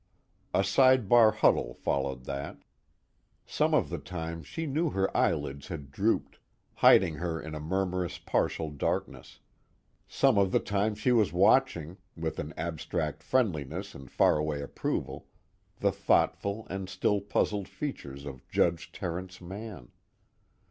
A side bar huddle followed that. Some of the time she knew her eyelids had drooped, hiding her in a murmurous partial darkness; some of the time she was watching, with an abstract friendliness and faraway approval, the thoughtful and still puzzled features of Judge Terence Mann.